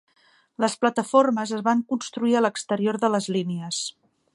Les plataformes es van construir a l'exterior de les línies.